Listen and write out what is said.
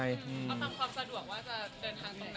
เอาฟังความสะดวกว่าจะเดินทางตรงไหน